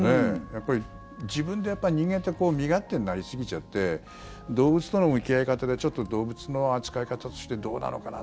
やっぱり自分で、人間って身勝手になりすぎちゃって動物との向き合い方で動物の扱い方としてどうなのかな